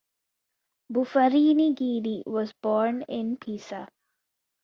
Buffarini Guidi was born in Pisa.